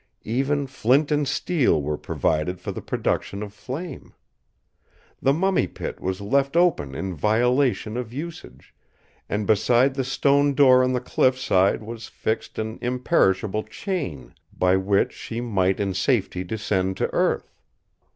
Even flint and steel were provided for the production of flame. The Mummy Pit was left open in violation of usage; and beside the stone door on the cliff side was fixed an imperishable chain by which she might in safety descend to earth.